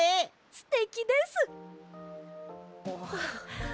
すてきです！